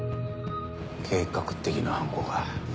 計画的な犯行か。